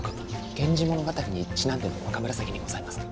源氏物語にちなんでの若紫にございますか？